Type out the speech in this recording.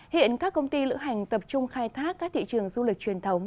hiện các công ty lữ hành tập trung khai thác các thị trường du lịch truyền thống